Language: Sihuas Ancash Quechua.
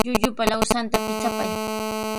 Llullupa lawsanta pichapay.